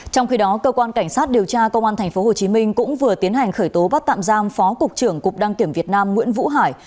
trong khi đó cơ quan cảnh sát điều tra công an tp hcm cũng vừa tiến hành khởi tố bắt tạm giam phó cục trưởng cục đăng kiểm việt nam nguyễn vũ hải